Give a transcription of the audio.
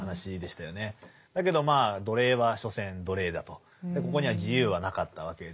だけど奴隷は所詮奴隷だとここには自由はなかったわけです。